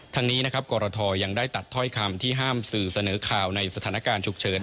ทั้งนี้นะครับกรทยังได้ตัดถ้อยคำที่ห้ามสื่อเสนอข่าวในสถานการณ์ฉุกเฉิน